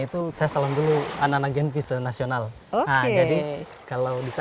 itu saya salam dulu anak anak genpi senasional oke jadi kalau bisa